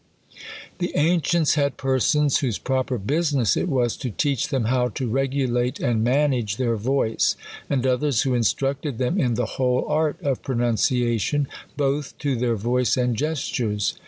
'' The ancients had persons, whose proper business it was to teach them how to regulate and manage their voice ; and others, who instructed them in the whole art of pronunciation, both ^^ to their voice and gestures.